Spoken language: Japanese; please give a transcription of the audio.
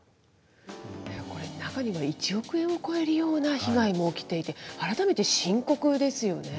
これ、中には１億円を超えるような被害も起きていて、改めて深刻ですよね。